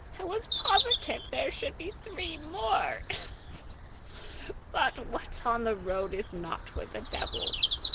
"I was positive there should be three more! But what's on the road is not with the devil."